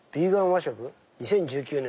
「２０１９年